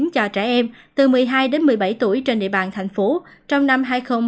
cho trẻ em từ một mươi hai đến một mươi bảy tuổi trên địa bàn thành phố trong năm hai nghìn hai mươi một hai nghìn hai mươi hai